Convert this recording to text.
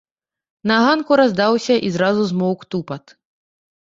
На ганку раздаўся і зразу змоўк тупат.